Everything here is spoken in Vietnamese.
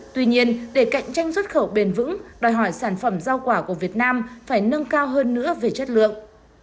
tuy nhiên để cạnh tranh xuất khẩu bền vững đòi hỏi sản phẩm rau quả của việt nam phải nâng cao hơn nữa về chất lượng